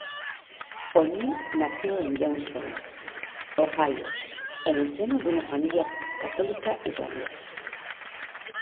O'Neill nació en Youngstown, Ohio en el seno de una familia católica irlandesa.